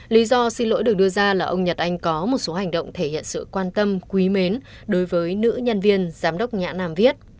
lý do xin lỗi được đưa ra là ông nhật anh có một số hành động thể hiện sự quan tâm quý mến đối với nữ nhân viên giám đốc nhã nam viết